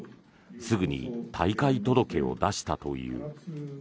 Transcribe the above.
すぐに退会届を出したという。